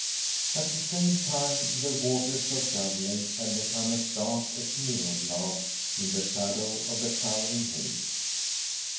At the same time the waters of Dove Lake had become as dark as mirror glass in the shadow of the towering hills.